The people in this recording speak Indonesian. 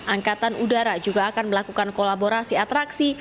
angkatan udara juga akan melakukan kolaborasi atraksi